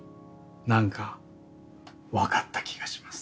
なんかわかった気がします。